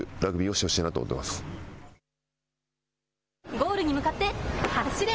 ゴールに向かって、走れ！